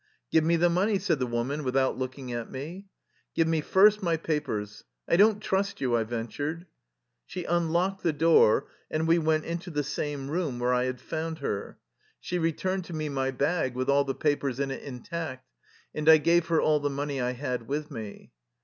" Give me the money," said the woman with out looking at me. " Give me first my papers. I don't trust you," I ventured. She unlocked the door, and we went into the same room where I had found her. She re 247 THE LIFE STOEY OF A RUSSIAN EXILE turned to me my bag with all the papers in it intact, and I gave her all the money I had with me.